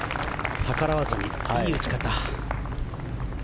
逆らわずにいい打ち方。